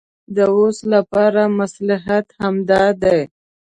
د اوس لپاره مصلحت همدا دی.